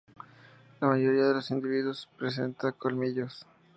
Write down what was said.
La mayoría de los individuos presenta colmillos.